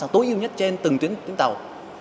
tối ưu nhất trên từng tuyến tàu